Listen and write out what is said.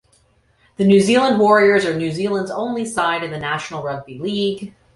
The New Zealand Warriors are New Zealand's only side in the National Rugby League.